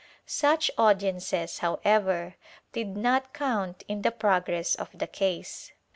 Such audiences, however, did not count in the progress of the case.